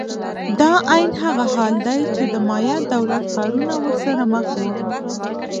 دا عین هغه حالت دی چې د مایا دولت ښارونه ورسره مخ وو.